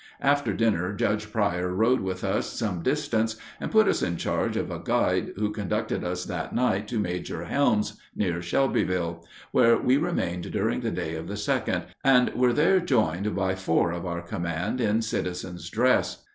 After dinner Judge Pryor rode with us some distance, and put us in charge of a guide, who conducted us that night to Major Helm's, near Shelbyville, where we remained during the day of the 2d, and were there joined by four of our command in citizen's dress.